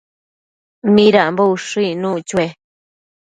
¿Midambo ushëc icnuc chue?